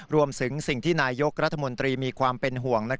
รวมถึงสิ่งที่นายยกรัฐมนตรีมีความเป็นห่วง